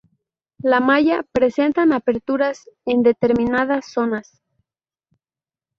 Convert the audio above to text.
La malla presentan aperturas en determinadas zonas.